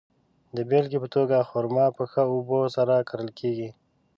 د بېلګې په توګه، خرما په ښه اوبو سره کرل کیږي.